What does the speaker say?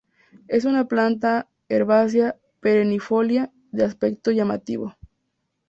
Es una planta herbácea perennifolia de aspecto llamativo.